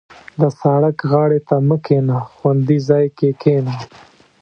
• د سړک غاړې ته مه کښېنه، خوندي ځای کې کښېنه.